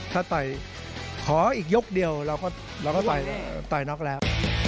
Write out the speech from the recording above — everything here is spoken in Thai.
ถ้าต่อยขออีกยกเดียวเราก็ต่อยน็อกแล้ว